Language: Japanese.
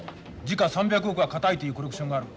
時価３００億は堅いというコレクションがある。